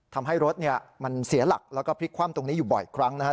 ทำให้รถมันเสียหลักแล้วก็พลิกคว่ำตรงนี้อยู่บ่อยครั้งนะครับ